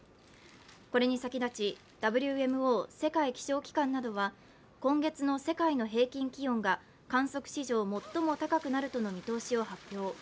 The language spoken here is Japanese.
これに先立ちＷＭＯ＝世界気象機関などは今月の世界の平均気温が観測史上最も高くなるとの見通しを発表。